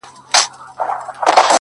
o زړگى مي غواړي چي دي خپل كړمه زه؛